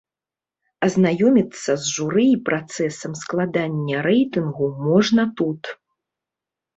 Азнаёміцца з журы і працэсам складання рэйтынгу можна тут.